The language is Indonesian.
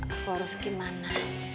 aku harus gimana